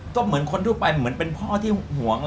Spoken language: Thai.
ก็เหมือนคนทั่วไปเหมือนเป็นพ่อที่ห่วง